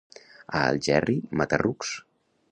A Algerri, mata-rucs.